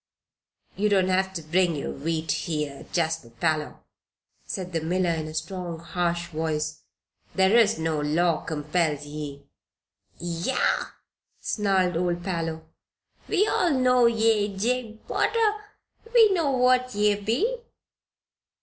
"You don't have to bring your wheat here, Jasper Parloe," said the miller, in a strong, harsh voice. "There is no law compels ye." "Yah!" snarled old Parloe. "We all know ye, Jabe Potter. We know what ye be."